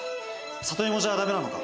里芋じゃダメなのか？